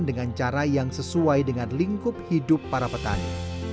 dengan cara yang sesuai dengan lingkup hidup para petani